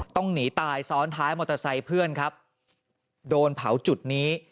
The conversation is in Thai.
ต้องหนีตายซ้อนท้ายมอเตอร์ไซค์เพื่อนครับโดนเผาจุดนี้